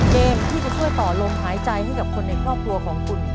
เกมที่จะช่วยต่อลมหายใจให้กับคนในครอบครัวของคุณ